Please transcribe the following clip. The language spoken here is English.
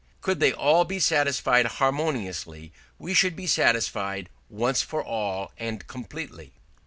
Could they all be satisfied harmoniously we should be satisfied once for all and completely.